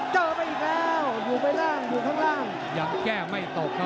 เจอไปอีกแล้วอยู่ใบล่างอยู่ข้างล่างยังแก้ไม่ตกครับ